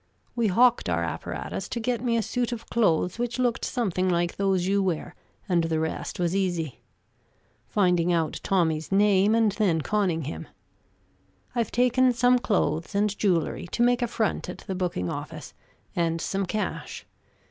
We hocked our apparatus to get me a suit of clothes which looked something like those you wear, and the rest was easy: finding out Tommy's name and then conning him. I've taken some clothes and jewelry, to make a front at the booking office, and some cash.